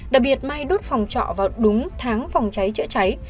đặc biệt mai đốt phòng trọ vào đúng tháng phòng cháy chữa cháy